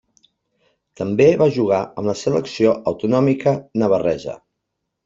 També va jugar amb la selecció autonòmica navarresa.